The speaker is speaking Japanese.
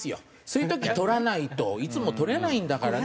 そういう時取らないといつも取れないんだから。